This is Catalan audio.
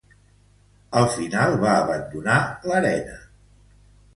Al final, va abandonar l'arena.